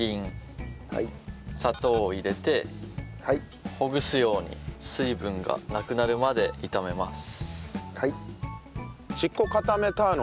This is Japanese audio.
砂糖を入れてほぐすように水分がなくなるまで炒めます。